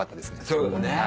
そうだね。